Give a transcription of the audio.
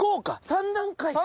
三段階か。